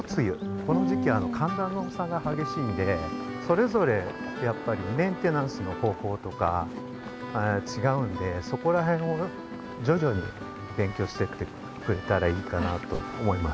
この時期寒暖の差がはげしいのでそれぞれやっぱりメンテナンスの方法とかちがうんでそこらへんをじょじょに勉強してってくれたらいいかなと思います。